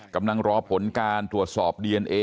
กำลังรอบที่นี่นะครับตำรวจสภศรีสมเด็จ